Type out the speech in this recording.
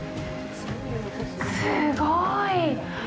すごい！